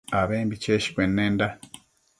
abembi cheshcuennenda